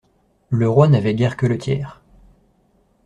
Le roi n'avait guère que le tiers.